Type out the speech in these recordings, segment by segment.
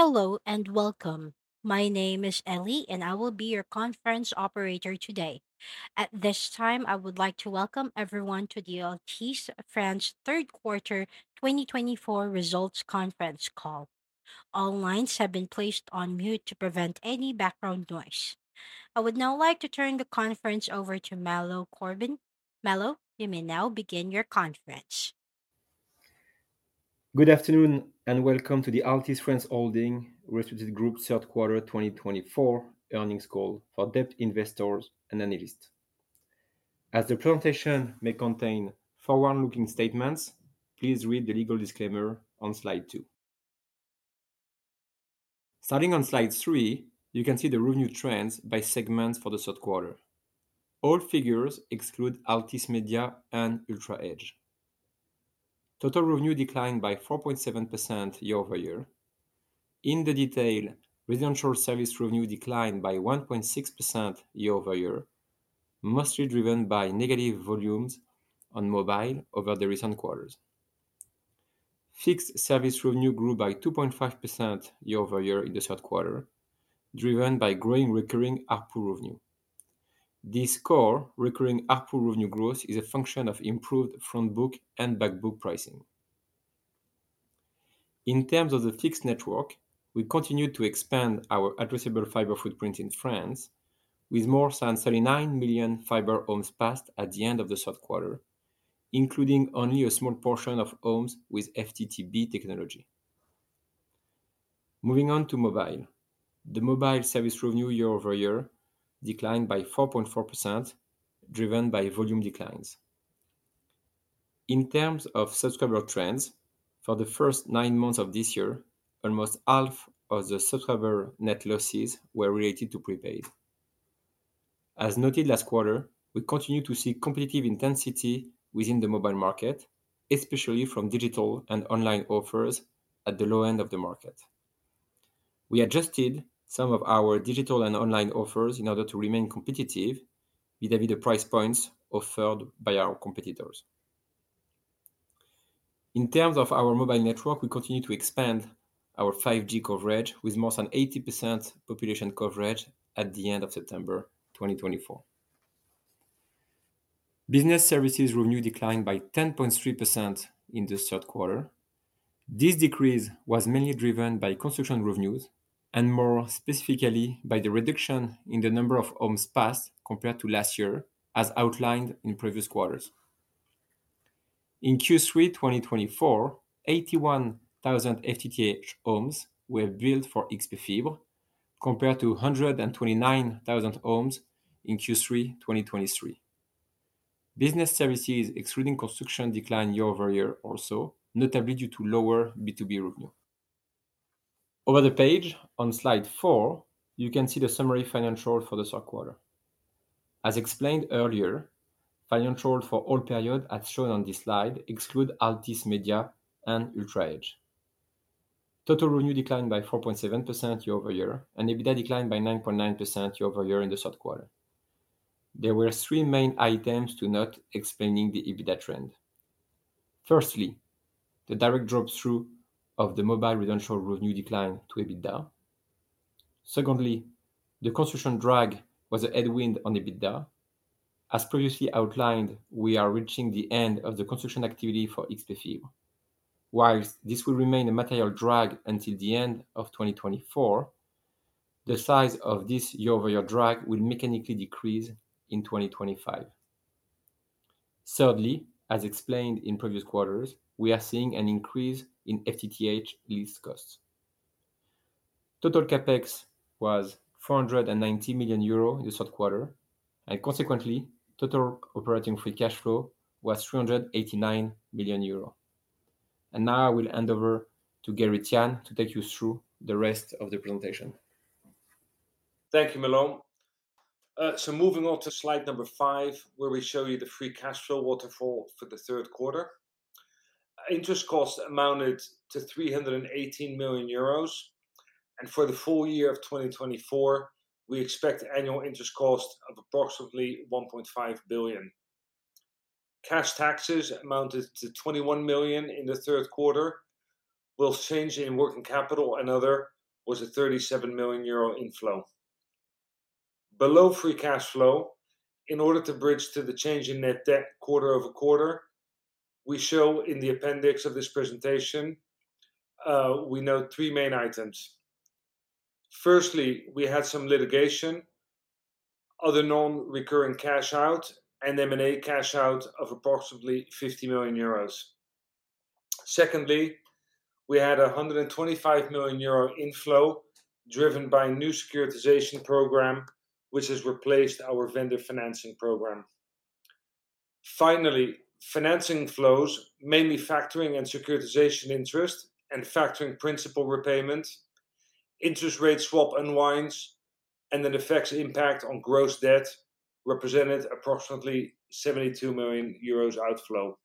Hello and welcome. My name is Ellie, and I will be your conference operator today. At this time, I would like to welcome everyone to the Altice France Third Quarter 2024 Results Conference call. All lines have been placed on mute to prevent any background noise. I would now like to turn the conference over to Malo Corbin. Malo, you may now begin your conference. Good afternoon and welcome to the Altice France Holding S.A. Group Third Quarter 2024 Earnings Call for debt investors and analysts. As the presentation may contain forward-looking statements, please read the legal disclaimer on slide two. Starting on slide three, you can see the revenue trends by segments for the third quarter. All figures exclude Altice Media and UltraEdge. Total revenue declined by 4.7% year-over-year. In the detail, residential service revenue declined by 1.6% year-over-year, mostly driven by negative volumes on mobile over the recent quarters. Fixed service revenue grew by 2.5% year-over-year in the third quarter, driven by growing recurring ARPU revenue. This core, recurring ARPU revenue growth is a function of improved front book and back book pricing. In terms of the fixed network, we continued to expand our addressable fiber footprint in France, with more than 39 million fiber homes passed at the end of the third quarter, including only a small portion of homes with FTTB technology. Moving on to mobile, the mobile service revenue year-over-year declined by 4.4%, driven by volume declines. In terms of subscriber trends, for the first nine months of this year, almost half of the subscriber net losses were related to prepaid. As noted last quarter, we continue to see competitive intensity within the mobile market, especially from digital and online offers at the low end of the market. We adjusted some of our digital and online offers in order to remain competitive vis-à-vis the price points offered by our competitors. In terms of our mobile network, we continue to expand our 5G coverage with more than 80% population coverage at the end of September 2024. Business services revenue declined by 10.3% in the third quarter. This decrease was mainly driven by construction revenues and, more specifically, by the reduction in the number of homes passed compared to last year, as outlined in previous quarters. In Q3 2024, 81,000 FTTH homes were built for XP Fibre, compared to 129,000 homes in Q3 2023. Business services excluding construction declined year-over-year also, notably due to lower B2B revenue. Over the page on slide four, you can see the summary financials for the third quarter. As explained earlier, financials for all periods as shown on this slide exclude Altice Media and UltraEdge. Total revenue declined by 4.7% year-over-year, and EBITDA declined by 9.9% year-over-year in the third quarter. There were three main items to note explaining the EBITDA trend. Firstly, the direct drop-through of the mobile residential revenue declined to EBITDA. Secondly, the construction drag was a headwind on EBITDA. As previously outlined, we are reaching the end of the construction activity for XP Fibre. While this will remain a material drag until the end of 2024, the size of this year-over-year drag will mechanically decrease in 2025. Thirdly, as explained in previous quarters, we are seeing an increase in FTTH lease costs. Total Capex was 490 million euro in the third quarter, and consequently, total operating free cash flow was 389 million euro. And now I will hand over to Gerrit Jan to take you through the rest of the presentation. Thank you, Malo. So moving on to slide number five, where we show you the free cash flow waterfall for the third quarter. Interest costs amounted to 318 million euros, and for the full year of 2024, we expect annual interest costs of approximately 1.5 billion. Cash taxes amounted to 21 million in the third quarter, while change in working capital and other was a 37 million euro inflow. Below free cash flow, in order to bridge to the change in net debt quarter-over-quarter, we show in the appendix of this presentation, we note three main items. Firstly, we had some litigation, other non-recurring cash out, and M&A cash out of approximately 50 million euros. Secondly, we had a 125 million euro inflow driven by a new securitization program, which has replaced our vendor financing program. Finally, financing flows mainly factoring and securitization interest and factoring principal repayment, interest rate swap unwinds, and then FX impact on gross debt represented approximately 72 million euros outflow.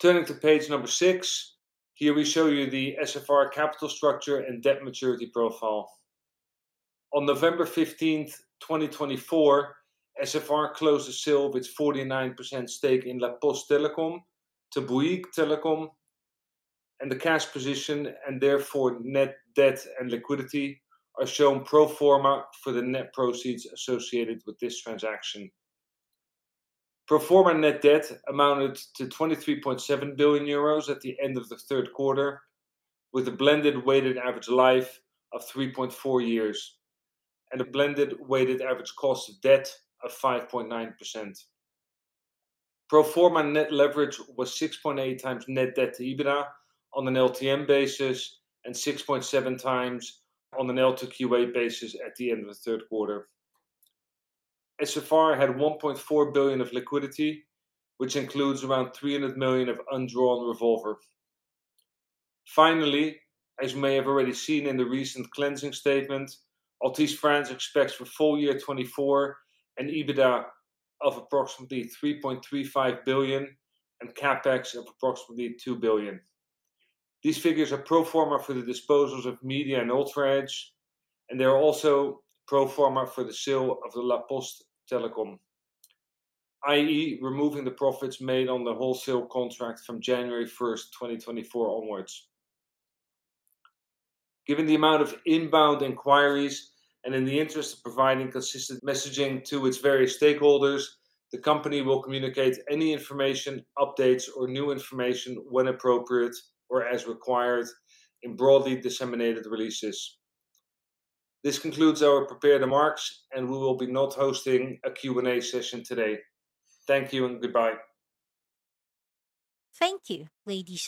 Turning to page number six, here we show you the SFR capital structure and debt maturity profile. On November 15th, 2024, SFR closed the sale with 49% stake in La Poste Telecom to Bouygues Telecom, and the cash position and therefore net debt and liquidity are shown pro forma for the net proceeds associated with this transaction. Pro forma net debt amounted to 23.7 billion euros at the end of the third quarter, with a blended weighted average life of 3.4 years and a blended weighted average cost of debt of 5.9%. Pro forma net leverage was 6.8 times net debt to EBITDA on an LTM basis and 6.7 times on an L2QA basis at the end of the third quarter. SFR had 1.4 billion of liquidity, which includes around 300 million of undrawn revolver. Finally, as you may have already seen in the recent cleansing statement, Altice France expects for full year 2024 an EBITDA of approximately 3.35 billion and Capex of approximately 2 billion. These figures are pro forma for the disposals of Media and UltraEdge, and they are also pro forma for the sale of La Poste Telecom, i.e., removing the profits made on the wholesale contract from January 1st, 2024 onwards. Given the amount of inbound inquiries and in the interest of providing consistent messaging to its various stakeholders, the company will communicate any information, updates, or new information when appropriate or as required in broadly disseminated releases. This concludes our prepared remarks, and we will be not hosting a Q&A session today. Thank you and goodbye. Thank you ladies.